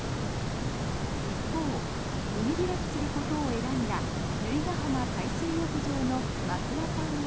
一方、海開きすることを選んだ由比ガ浜海水浴場の増田さんは。